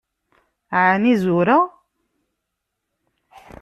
Ɛni zureɣ?